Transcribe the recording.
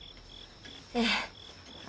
ええ。